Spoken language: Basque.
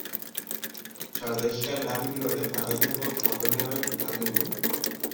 Sardexka erabili ordez arraina zotz japoniarrekin jaten du.